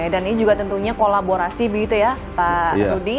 ini juga tentunya kolaborasi begitu ya pak rudi